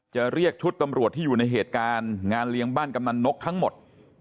จะเรียกชุดตำรวจที่อยู่ในเหตุการณ์งานเลี้ยงบ้านกำนันนกทั้งหมด